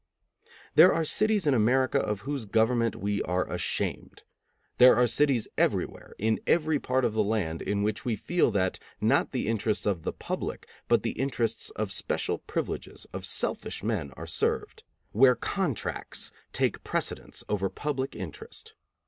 There are cities in America of whose government we are ashamed. There are cities everywhere, in every part of the land, in which we feel that, not the interests of the public, but the interests of special privileges, of selfish men, are served; where contracts take precedence over public interest.